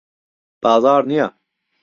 بازاڕ نییە.